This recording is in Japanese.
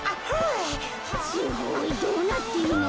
すごいどうなってるの？